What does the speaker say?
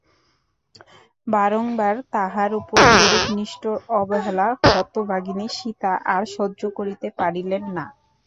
বারংবার তাঁহার উপর এরূপ নিষ্ঠুর অবহেলা হতভাগিনী সীতা আর সহ্য করিতে পারিলেন না।